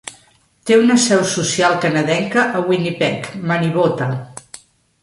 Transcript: Té una seu social canadenca a Winnipeg, Manibota.